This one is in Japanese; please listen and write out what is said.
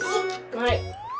はい。